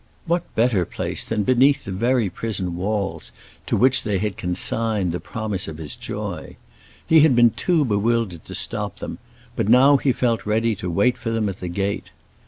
What better place than beneath the very prison walls to which they had consigned the promise of his joy? He had been too bewildered to stop them, but now he felt ready to wait for them at the gate.